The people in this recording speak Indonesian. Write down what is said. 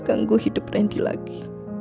ganggu hidup randy lagi